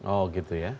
oh gitu ya